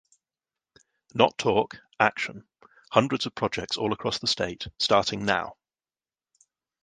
Not talk, action. Hundreds of projects all across the state, starting now.